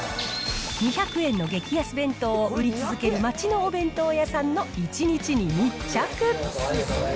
２００円の激安弁当を売り続ける街のお弁当屋さんの１日に密着。